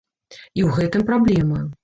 І ў гэтым праблема.